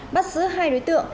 bắt giữ hai đối tượng